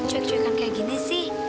cuek cuekan kayak gini sih